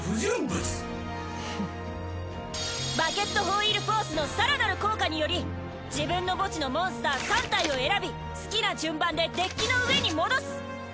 バケットホイール・フォースのさらなる効果により自分の墓地のモンスター３体を選び好きな順番でデッキの上に戻す！